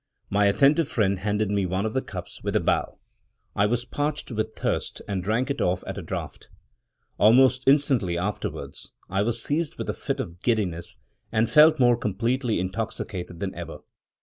My attentive friend handed me one of the cups with a bow. I was parched with thirst, and drank it off at a draught. Almost instantly afterwards, I was seized with a fit of giddiness, and felt more completely intoxicated than ever.